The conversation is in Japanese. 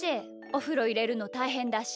おふろいれるのたいへんだし。